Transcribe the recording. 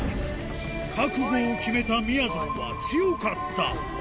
覚悟を決めたみやぞんは強かった。